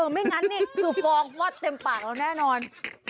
ไม่งั้นซูฟองว่าเต็มปากเราแน่นอน